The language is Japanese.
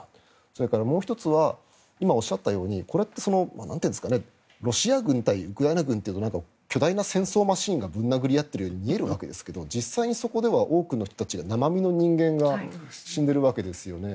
それからもう１つは今、おっしゃったようにこれってロシア軍対ウクライナ軍というと巨大な戦争マシンがぶん殴り合っているように見えるわけですが実際にはそこでは多くの生身の人間が死んでいるわけですよね。